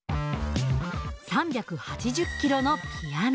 ３８０キロのピアノ。